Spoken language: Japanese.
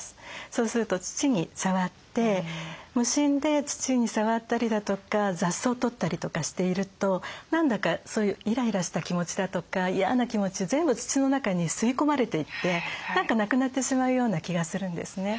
そうすると土に触って無心で土に触ったりだとか雑草取ったりとかしていると何だかそういうイライラした気持ちだとかいやな気持ち全部土の中に吸い込まれていって何かなくなってしまうような気がするんですね。